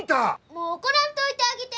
もう怒らんといてあげて。